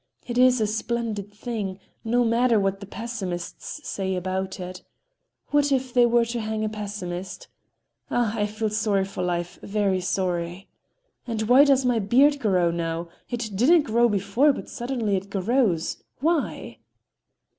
It is a splendid thing, no matter what the pessimists say about it. What if they were to hang a pessimist? Ah, I feel sorry for life, very sorry! And why does my beard grow now? It didn't grow before, but suddenly it grows—why?"